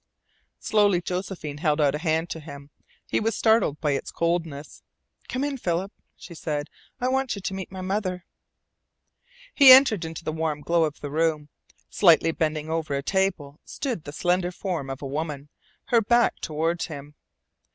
Slowly Josephine held out a hand to him. He was startled by its coldness. "Come in, Philip," she said. "I want you to meet my mother." He entered into the warm glow of the room. Slightly bending over a table stood the slender form of a woman, her back toward him.